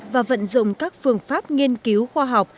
và vận dụng các phương pháp nghiên cứu khoa học